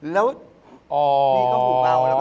แล้วพี่ก็มุ่งปว่าออกเราก็เลยจัด